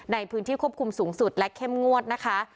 ในพื้นที่ควบคุมสูงสุดและเข้มงวดนะคะ